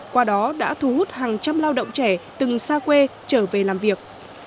qua đó đã thu hút hàng trăm lao động trẻ từng xa quê trở về làm việc